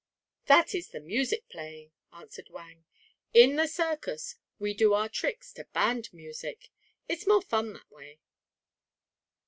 "That is the music playing," answered Wang. "In the circus we do our tricks to band music. It's more fun that way."